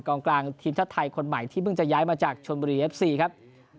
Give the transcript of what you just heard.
กลางทีมชาติไทยคนใหม่ที่เพิ่งจะย้ายมาจากชนบุรีเอฟซีครับ